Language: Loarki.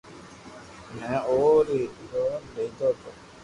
مي او ھوري رو لودو تو